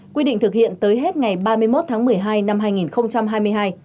quy định thực hiện tới hết ngày ba mươi một tháng một mươi hai năm hai nghìn hai mươi hai